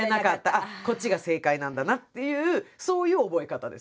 あっこっちが正解なんだなっていうそういう覚え方です。